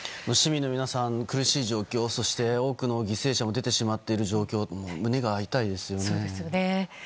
市民の皆さんは苦しい状況そして多くの犠牲者も出てしまっている状況で胸が痛いですね。